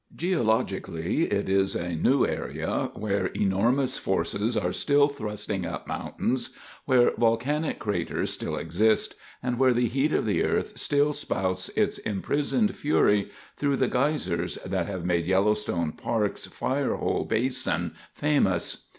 Geologically, it's a new area, where enormous forces are still thrusting up mountains, where volcanic craters still exist, and where the heat of the earth still spouts its imprisoned fury through the geysers that have made Yellowstone Park's Firehole Basin famous.